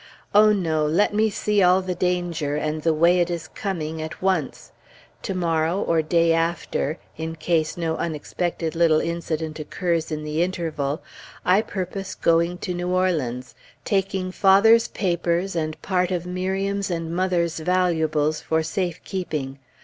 Oh, no! let me see all the danger, and the way it is coming, at once. To morrow, or day after, in case no unexpected little incident occurs in the interval, I purpose going to New Orleans, taking father's papers and part of Miriam's and mother's valuables for safe keeping.